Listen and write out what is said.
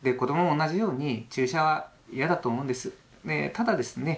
ただですね